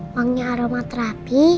wanginya aroma terapi